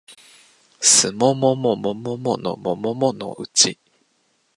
すもももももものもものうち